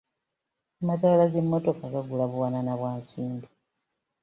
Amataala g’emmotoka gagula buwanana bwa nsimbi.